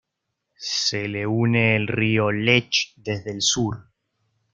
Se le une el río Lech desde el sur.